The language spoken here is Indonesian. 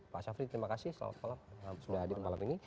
pak safri terima kasih selamat malam